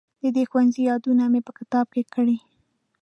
د دې ښوونځي یادونه مې په کتاب کې کړې.